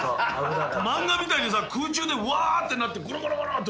漫画みたいにさ空中でわぁってなってゴロゴロゴロって。